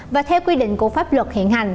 và theo quy định của pháp luật hiện hành